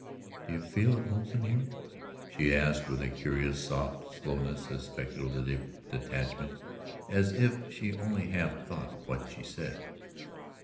"Do you feel it lonesome here?" She asked it with a curious soft slowness, a speculative detachment, as if she only half thought of what she said.